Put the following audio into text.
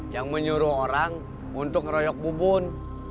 yang menyuruh orang untuk ngeroyok bubun